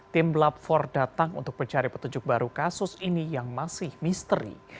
tim lab empat datang untuk mencari petunjuk baru kasus ini yang masih misteri